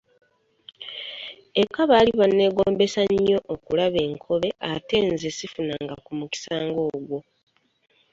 Eka baali banneegombesa nnyo okulaba enkobe ate nga nze sifunanga ku mukisa ng'ogwo.